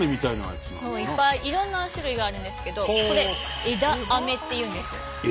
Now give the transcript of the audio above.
いっぱいいろんな種類があるんですけどこれ「枝アメ」っていうんですよ。